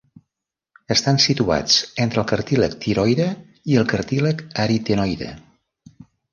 Estan situats entre el cartílag tiroide i el cartílag aritenoide.